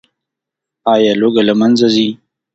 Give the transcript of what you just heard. آیا لوږه له منځه ځي؟